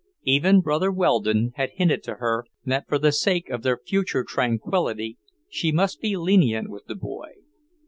Even Brother Weldon had hinted to her that for the sake of their future tranquillity she must be lenient with the boy.